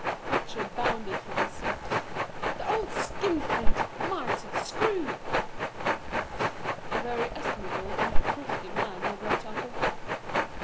Fletcher bounded from his seat. " The old skin flint ! miser ! screw !"" A very estimable and thrifty man, your great uncle."